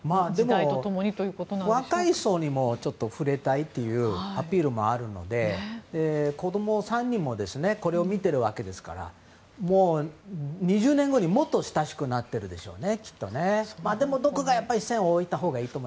でも若い層にも触れたいっていうアピールもあるので子供３人もこれを見てるわけですからもう、２０年後にもっと親しくなってるでしょうね。